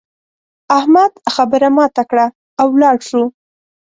احمد خبره ماته کړه او ولاړ شو.